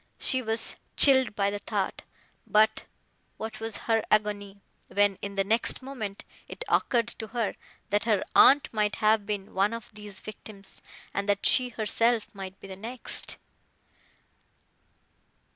She was chilled by the thought; but, what was her agony, when, in the next moment, it occurred to her, that her aunt might have been one of these victims, and that she herself might be the next!